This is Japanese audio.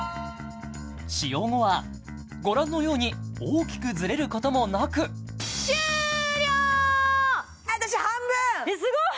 使用後はご覧のように大きくズレることもなくすごい！